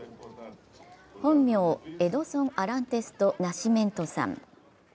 本名、エドソン・アランテス・ド・ナシメントさん。